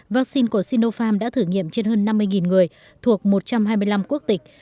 vaccine của sinopharm đã thử nghiệm trên hơn năm mươi người thuộc một trăm hai mươi năm quốc tịch